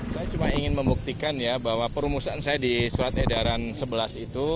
saya cuma ingin membuktikan ya bahwa perumusan saya di surat edaran sebelas itu